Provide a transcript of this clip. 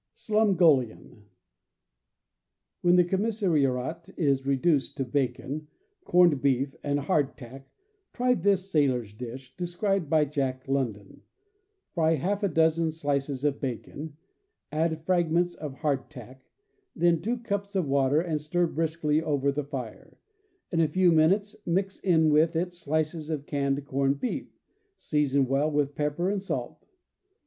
Slumgullion. — When the commissariat is reduced to bacon, corned beef, and hardtack, try this sailor's dish, described by Jack London: Fry half a dozen slices of bacon, add fragments of hardtack, then two cups of water, and stir briskly over the fire; in a few minutes mix in with it slices of canned corned beef; season well with pepper and salt.